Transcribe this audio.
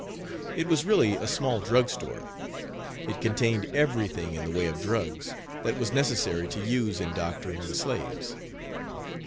It was really a small drug store. It contained everything in the way of drugs that was necessary to use in doctoring the slaves.